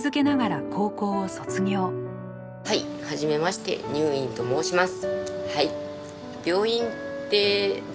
はいはじめましてにゅーいんと申します。